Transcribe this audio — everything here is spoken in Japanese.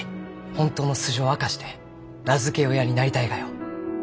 本当の素性を明かして名付け親になりたいがよ。